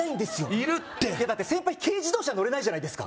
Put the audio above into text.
いるって軽自動車乗れないじゃないですか